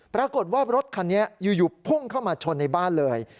ปรากฏว่ารถคันนี้อยู่พุ่งเข้ามาชนในบ้านเลย